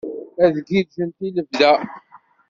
Ad giǧǧent i lebda?